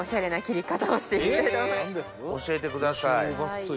教えてください。